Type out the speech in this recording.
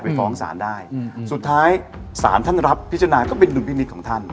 ไปฟ้องสารได้อืมสุดท้ายสารท่านรับพิจารณาก็เป็นหนุ่มพิมิตของท่าน